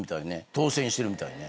当選してるみたいね。